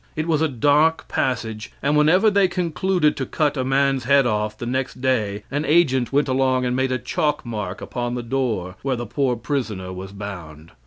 It was a dark passage, and whenever they concluded to cut a man's head off the next day, an agent went along and made a chalk mark upon the door where the poor prisoner was bound.